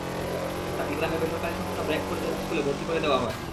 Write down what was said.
তাকে গ্রামে বেসরকারি সংস্থা ব্র্যাক পরিচালিত স্কুলে ভর্তি করে দেওয়া হয়।